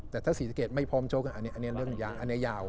แต่ถ้าสีสะเกียจไม่พร้อมชกอันนี้เริ่มยาว